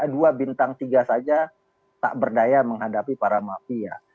dua bintang tiga saja tak berdaya menghadapi para mafia